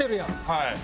はい。